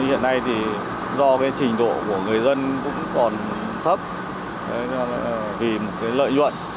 hiện nay do trình độ của người dân còn thấp vì lợi nhuận